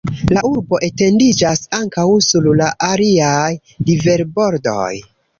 La urbo etendiĝas ankaŭ sur la aliaj riverbordoj.